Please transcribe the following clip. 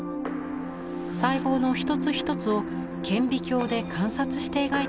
細胞の一つ一つを顕微鏡で観察して描いています。